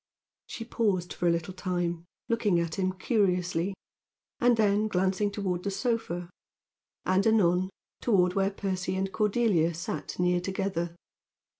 She paused for a little time, looking at him curiously, and then glancing toward the sofa, and, anon, toward where Percy and Cordelia sat near together.